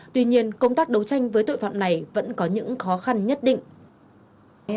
tuy nhiên công tác đấu tranh với tội phạm này vẫn có những khó khăn nhất định